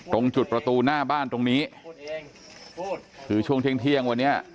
ตรงจุดประตูหน้าบ้านตรงนี้คือช่วงเที่ยงเที่ยงวันนี้